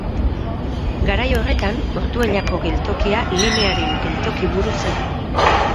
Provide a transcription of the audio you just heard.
Garai horretan Ortuellako geltokia linearen geltoki-buru zen.